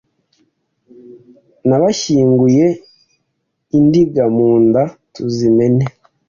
N'abashyinguye indiga mu nda tuzimene